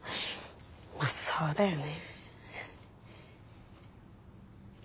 まあそうだよね。